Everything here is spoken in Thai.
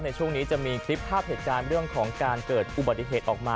ในช่วงนี้จะมีคลิปภาพเหตุการณ์เรื่องของการเกิดอุบัติเหตุออกมา